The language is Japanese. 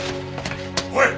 おい！